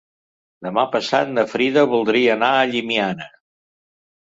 Demà passat na Frida voldria anar a Llimiana.